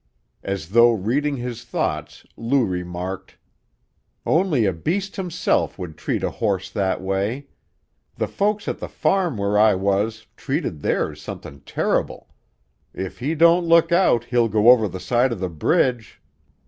As though reading his thoughts, Lou remarked: "Only a beast himself would treat a horse that way. The folks at the farm where I was treated theirs somethin' terrible. If he don't look out he'll go over the side of the bridge."